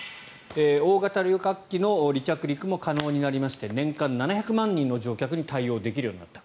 大型旅客機の離着陸も可能になりまして年間７００万人の乗客に対応できるようになった。